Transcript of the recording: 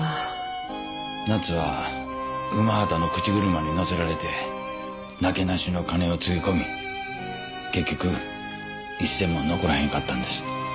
奈津は午端の口車に乗せられてなけなしの金をつぎ込み結局一銭も残らへんかったんです。